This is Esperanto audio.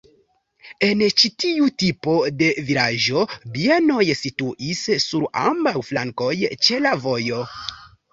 En ĉi tiu tipo de vilaĝo bienoj situis sur ambaŭ flankoj ĉe la vojo.